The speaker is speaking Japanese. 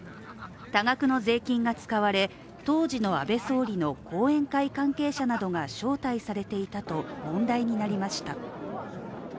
多額の税金が使われ、当時の安倍総理の後援会関係者などが招待されていたと問題になりました。